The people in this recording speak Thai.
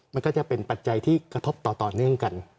มันก็จะเป็นปัจจัยที่กระทบต่อเนื่องกัน